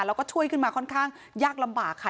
แล้วก็ช่วยขึ้นมาค่อนข้างยากลำบากค่ะ